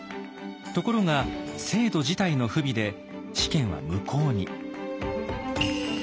ところが制度自体の不備で試験は無効に。